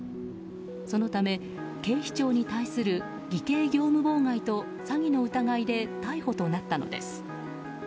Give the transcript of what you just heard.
そのため警視庁に対する偽計業務妨害と詐欺の疑いで逮捕となったのです。